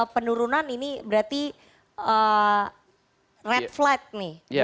penurunan ini berarti red flight nih